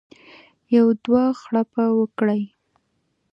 یو دوه غړپه وکړي.